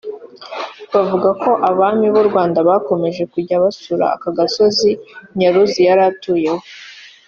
bavuga ko abami b’u Rwanda bakomeje kujya basura aka gasozi Nyaruzi yari atuyeho